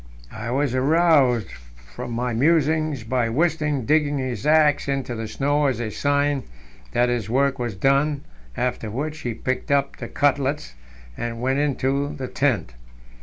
I was aroused from my musings by Wisting digging his axe into the snow as a sign that his work was done, after which he picked up the cutlets, and went into the tent.